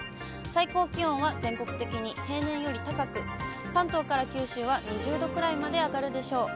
最高気温は全国的に平年より高く、関東から九州は２０度くらいまで上がるでしょう。